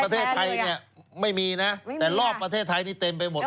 ประเทศไทยเนี่ยไม่มีนะแต่รอบประเทศไทยนี่เต็มไปหมด